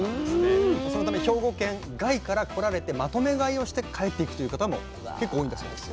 そのため兵庫県外から来られてまとめ買いをして帰っていくという方も結構多いんだそうです。